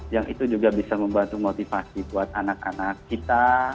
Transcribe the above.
yang itu juga bisa membantu motivasi buat anak anak kita